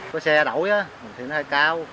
có xe đổi thì nó hơi cao